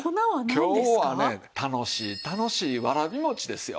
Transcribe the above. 今日はね楽しい楽しいわらび餅ですよ。